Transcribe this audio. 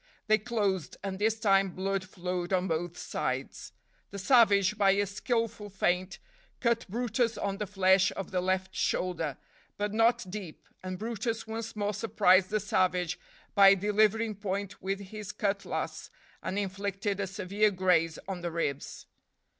They closed, and this time blood flowed on both sides. The savage, by a skillful feint, cut brutus on the flesh of the left shoulder, but not deep, and brutus once more surprised the savage by delivering point with his cutlass, and inflicted a severe graze on the ribs.